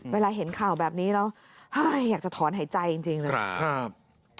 เวลาเห็นข่าวแบบนี้แล้วอยากจะถอนหายใจจริงนะครับ